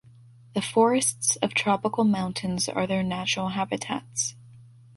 The forests of tropical mountains are their natural habitats.